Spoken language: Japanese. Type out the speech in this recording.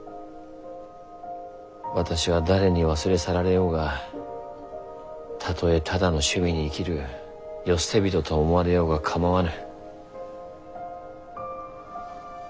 私は誰に忘れ去られようがたとえただの趣味に生きる世捨て人と思われようが構わぬ。